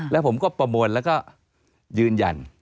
แล้วผมก็ประมวลแล้วก็ยืนยัน